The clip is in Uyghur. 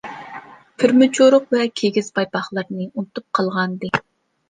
پۈرمە چورۇق ۋە كىگىز پايپاقلىرىنى ئۇنتۇپ قالغانىدى.